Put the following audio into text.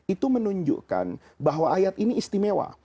itu menunjukkan bahwa ayat ini istimewa